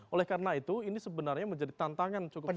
oleh karena itu ini sebenarnya menjadi tantangan cukup serius